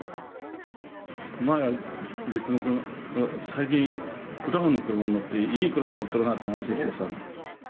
前は別の車、最近、クラウンの車乗って、いい車乗ってるなっていう話してさ。